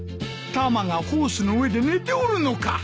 タマがホースの上で寝ておるのか！